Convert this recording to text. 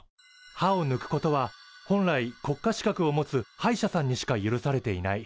歯をぬくことは本来国家資格を持つ歯医者さんにしか許されていない。